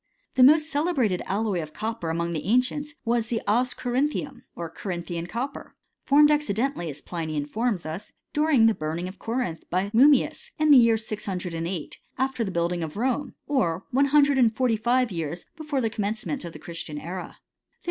The most celebrated alloy of copper among the ancients, was the as corinthium, or Corinthian cop* per, formed accidentally, as Pliny informs us, during* . the burning of Corinth by Mummius in the year 608^ after the building of Rome, or one hundred and forty five years before the commencement of the Christian era.